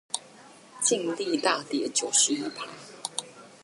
淨利大跌九十一趴